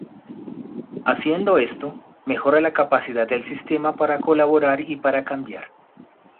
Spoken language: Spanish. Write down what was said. Haciendo esto, mejora la capacidad del sistema para colaborar y para cambiar.